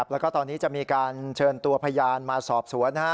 แล้วก็ตอนนี้จะมีการเชิญตัวพยานมาสอบสวน